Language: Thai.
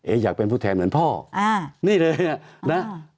อยากเป็นผู้แทนเหมือนพ่อนี่เลยนะ